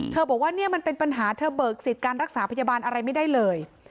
บอกว่าเนี่ยมันเป็นปัญหาเธอเบิกสิทธิ์การรักษาพยาบาลอะไรไม่ได้เลย